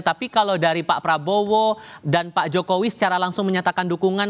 tapi kalau dari pak prabowo dan pak jokowi secara langsung menyatakan dukungan